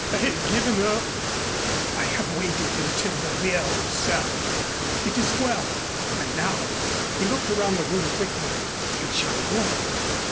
I had given up." "I have waited until the beer was served. It is well. And now " He looked around the room quickly. "You shall go."